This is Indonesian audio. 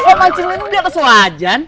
oh mancing lindung di atas wajan